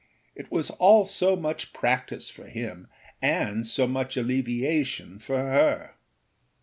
It was all so much practice for him and so much alleviation for her.